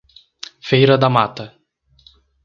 Feira da Mata